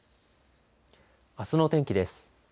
あすのお天気です。